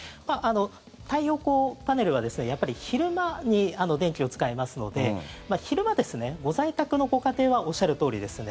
太陽光パネルは、やっぱり昼間に電気を使いますので昼間、ご在宅のご家庭はおっしゃるとおりですね。